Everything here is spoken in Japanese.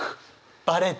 バレた。